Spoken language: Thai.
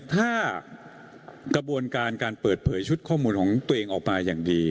ถ้ากระบวนการการเปิดเผยชุดข้อมูลของตัวเองออกมาอย่างดี